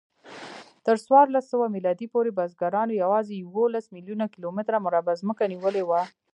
تر څوارلسسوه میلادي پورې بزګرانو یواځې یوولس میلیونه کیلومتره مربع ځمکه نیولې وه.